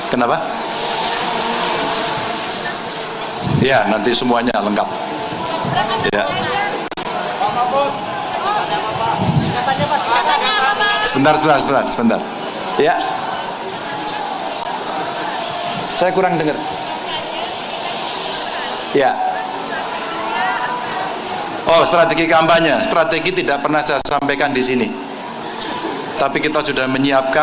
dari sisi yang pengennya dapat nomor korupsi yang banyak